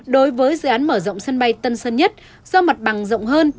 đối với dự án mở rộng sân bay tân sơn nhất do mặt bằng rộng hơn